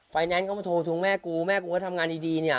แนนซ์เข้ามาโทรทวงแม่กูแม่กูก็ทำงานดีเนี่ย